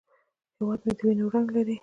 هیواد مې د وینو رنګ لري